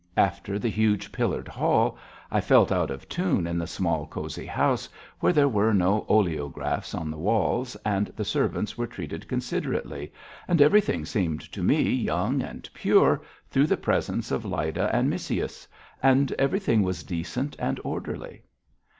After the huge pillared hall, I felt out of tune in the small cosy house, where there were no oleographs on the walls and the servants were treated considerately, and everything seemed to me young and pure, through the presence of Lyda and Missyuss, and everything was decent and orderly.